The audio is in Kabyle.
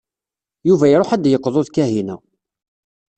Yuba iṛuḥ ad yeqḍu d Kahina.